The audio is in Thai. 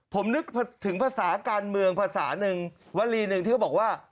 ผมนึกถึงภาษาการเมืองภาษาหนึ่งวลีหนึ่งที่เขาบอกว่า